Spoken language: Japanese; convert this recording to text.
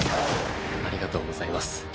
ありがとうございます。